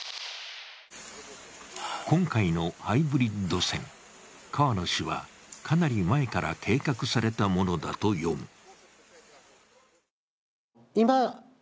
今回のハイブリッド戦、河野氏はかなり前から計画されたものだと読む。